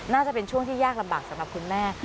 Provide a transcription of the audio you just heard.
น่าจะเป็นช่วงที่ยากลำบากสำหรับคุณแม่